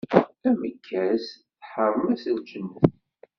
Amekkas teḥṛem-as lǧennet.